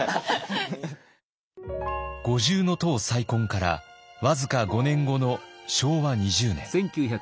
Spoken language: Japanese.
五重塔再建から僅か５年後の昭和２０年。